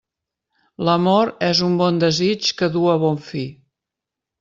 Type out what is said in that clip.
L'amor és un bon desig que du a bon fi.